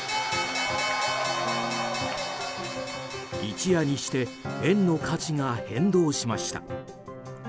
一夜にして円の価値が変動しました。